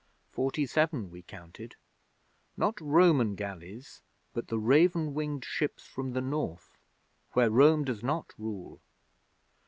Forty seven we counted not Roman galleys but the raven winged ships from the North where Rome does not rule.